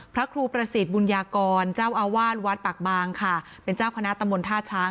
พระครูประสิทธิ์บุญญากรเจ้าอาวาสวัดปากบางค่ะเป็นเจ้าคณะตำบลท่าช้าง